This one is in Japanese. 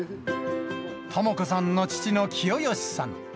朋子さんの父の清芳さん。